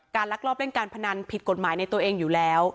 ลักลอบเล่นการพนันผิดกฎหมายในตัวเองอยู่แล้ว